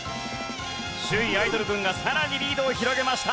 首位アイドル軍がさらにリードを広げました。